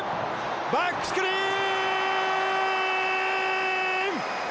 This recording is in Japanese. バックスクリーン！